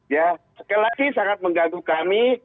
ya sekali lagi sangat mengganggu kami